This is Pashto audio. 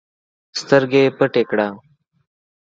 سترګي پټي کړه!